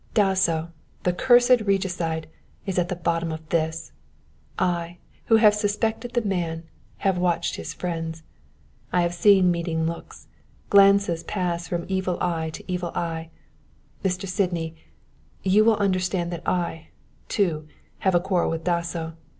Dasso, the cursed regicide, is at the bottom of this. I, who have suspected the man, have watched his friends. I have seen meaning looks, glances pass from evil eye to evil eye. Mr. Sydney you will understand that I, too, have a quarrel with Dasso.